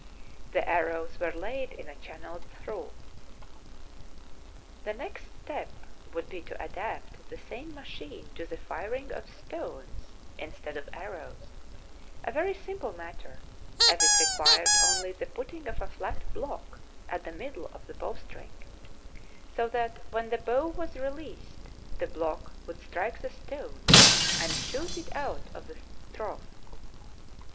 The ar rows were laid in a channeled trough. The next step would be to adapt the same ma chine to the firing of stones instead of arrows — a very simple matter, as it required only the put ting of a flat block at the middle of the bowstring, THE BOOK OF FAMOUS SIEGES so that when the bow was released the block would strike the stone and shoot it out of the trough.